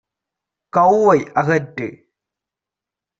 கௌவை அகற்று.